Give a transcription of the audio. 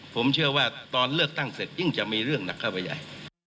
ผมเชื่อว่าตอนเลือกตั้งเสร็จยิ่งจะมีเรื่องหนักเข้าไปใหญ่